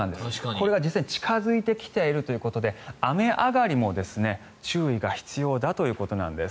これが実際に近付いてきているということで雨上がりも注意が必要だということなんです。